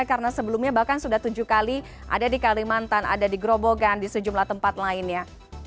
karena sebelumnya bahkan sudah tujuh kali ada di kalimantan ada di grobogan di sejumlah tempat lainnya